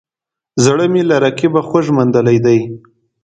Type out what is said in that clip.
زړه مې له رقیبه خوږ موندلی دی